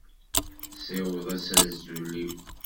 Siweḍ-as azul-iw.